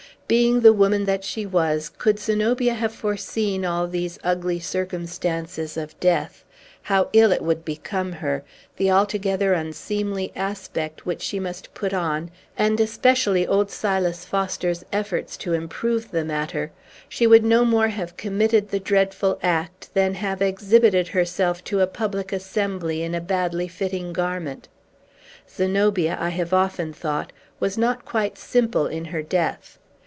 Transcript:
Being the woman that she was, could Zenobia have foreseen all these ugly circumstances of death, how ill it would become her, the altogether unseemly aspect which she must put on, and especially old Silas Foster's efforts to improve the matter, she would no more have committed the dreadful act than have exhibited herself to a public assembly in a badly fitting garment! Zenobia, I have often thought, was not quite simple in her death.